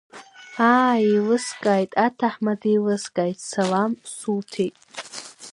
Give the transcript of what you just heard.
Аа, иеилыскааит, аҭаҳмада, еилыскааит, салам суҭеит!